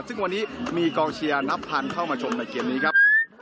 ซึ่งวันนี้มีกองเชียร์นับพันเข้ามาชมในเกมนี้ครับ